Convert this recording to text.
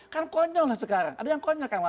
kan konyol lah sekarang